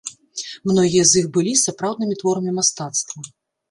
Многія з іх былі сапраўднымі творамі мастацтва.